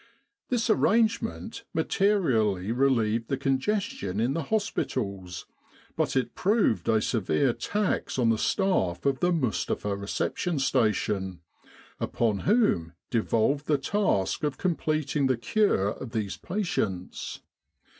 This arrangement materially relieved the congestion in the 215 With the R.A.M.C. in Egypt hospitals, but it proved a severe tax on the staff of the Mustapha Reception Station, upon whom devolved the task of completing the cure of these patients.